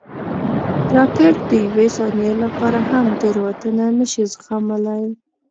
راکټ د یوې ثانیې لپاره هم تېروتنه نه شي زغملی